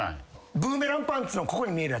ブーメランパンツのここに見えるやつ。